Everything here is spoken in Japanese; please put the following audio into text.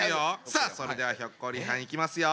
さあそれではひょっこりはんいきますよ。